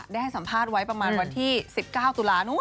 ได้ให้สัมภาษณ์ไว้ประมาณวันที่๑๙ตุลานู้น